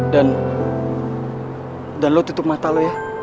dan lo tutup mata lo ya